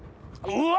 うわ！